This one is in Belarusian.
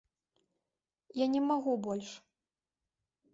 Я не магу больш.